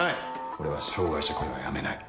俺は障がい者雇用はやめない。